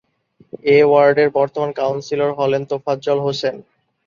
এ ওয়ার্ডের বর্তমান কাউন্সিলর হলেন তোফাজ্জল হোসেন।